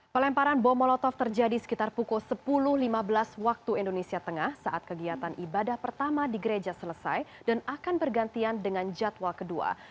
pelemparan bom molotov terjadi sekitar pukul sepuluh lima belas waktu indonesia tengah saat kegiatan ibadah pertama di gereja selesai dan akan bergantian dengan jadwal kedua